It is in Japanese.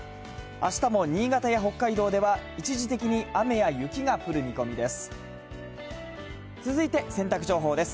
あしたも新潟や北海道では一時的に雨や雪が降る見込みです。